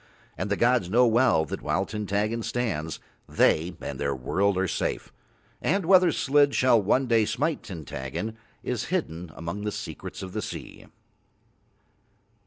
And the gods know well that while Tintaggon stands They and Their world are safe; and whether Slid shall one day smite Tintaggon is hidden among the secrets of the sea.